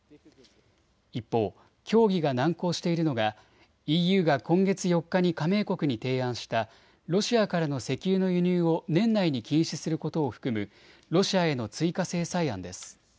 一方、協議が難航しているのがＥＵが今月４日に加盟国に提案したロシアからの石油の輸入を年内に禁止することを含むロシアへの追加制裁案です。